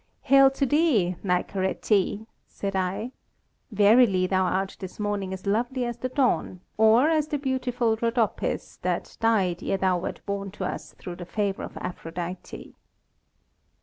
"Hail to thee, Nicaretê," said I; "verily thou art this morning as lovely as the dawn, or as the beautiful Rhodopis that died ere thou wert born to us through the favour of Aphrodite."